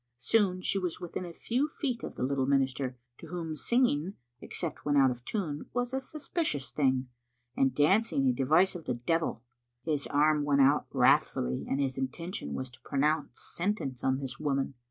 Soon she was within a few feet of the little minister, to whom singing, except when out of tune, was a suspicious thing, and dancing a device of the devil. His arm went out wrathfully, and his intention was to pronounce sentence on this woman.